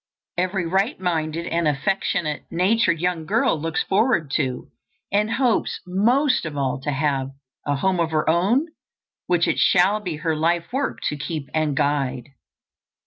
Every right minded and affectionate natured young girl looks forward to, and hopes most of all to have, a home of her own, which it shall be her life work to keep and guide.